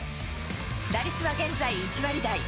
打率は現在１割台。